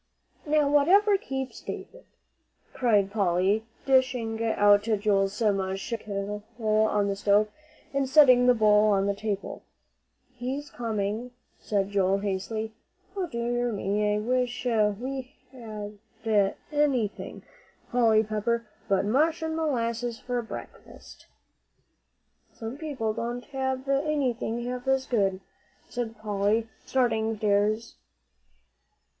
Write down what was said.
"Now, whatever keeps David!" cried Polly, dishing out Joel's mush from the kettle on the stove, and setting the bowl on the table. "He's coming," said Joel, hastily. "O dear me, I wish we ever had anything, Polly Pepper, but mush and molasses for breakfast!" "Some people don't have anything half as good," said Polly, starting for the stairs.